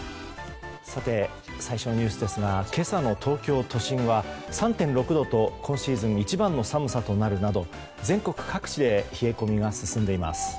さて、最初のニュースですが今朝の東京都心は３．６度と今シーズン一番の寒さとなるなど全国各地で冷え込みが進んでいます。